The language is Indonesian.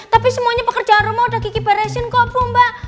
tapi semuanya pekerjaan rumah udah gigi beresin kok bu mbak